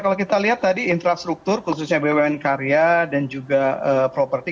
kalau kita lihat tadi infrastruktur khususnya bumn karya dan juga properti